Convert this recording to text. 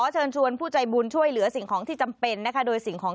เชิญชวนผู้ใจบุญช่วยเหลือสิ่งของที่จำเป็นนะคะโดยสิ่งของ